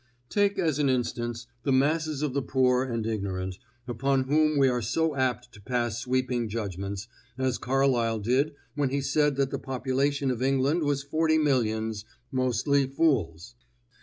Take as an instance the masses of the poor and ignorant, upon whom we are so apt to pass sweeping judgments, as Carlyle did when he said that the population of England was forty millions mostly fools.